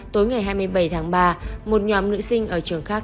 tối ngày hai mươi bảy tháng ba một nhóm nữ sinh ở trường khác